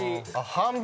半分。